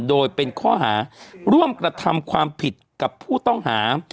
โดยเป็นข้อหาร่วมกระทำความผิดกับผู้ต้องหา